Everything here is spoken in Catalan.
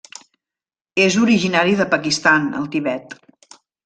És originari de Pakistan al Tibet.